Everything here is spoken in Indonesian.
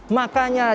makanya jangan parkir